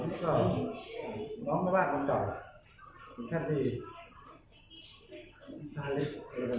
และเหลือจนกว่าอย่างงี้ดีขึ้น